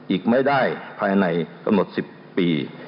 อีกไม่ได้ภายในกำหนด๑๐ปี